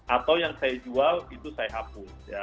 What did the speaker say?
atau yang saya jual itu saya hapus